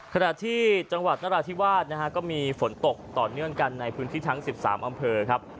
ขณะที่จังหวัดนราธิวาสนะฮะก็มีฝนตกต่อเนื่องกันในพื้นที่ทั้ง๑๓อำเภอครับ